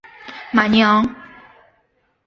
马尼昂。